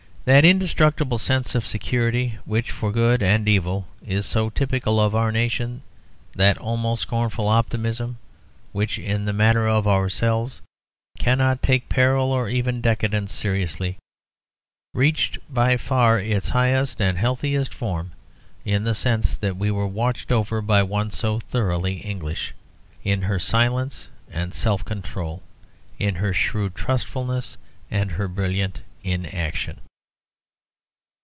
That indestructible sense of security which for good and evil is so typical of our nation, that almost scornful optimism which, in the matter of ourselves, cannot take peril or even decadence seriously, reached by far its highest and healthiest form in the sense that we were watched over by one so thoroughly English in her silence and self control, in her shrewd trustfulness and her brilliant inaction.